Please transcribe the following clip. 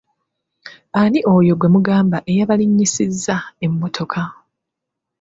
Ani oyo gwe mugamba eyabalinyisiza emmotoka?